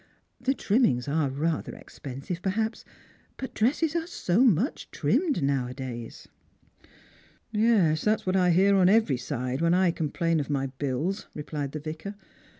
"The trimmings are rather expensive, perhajDs; but dresses are so much trimmed nowadays." " Yes, that's what I hear on every side, when I complain of my bills," replied the Yicar.